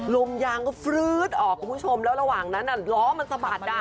ลมยางก็ฟลื๊ดออกคุณผู้ชมแล้วระหว่างนั้นล้อมันสะบัดอ่ะ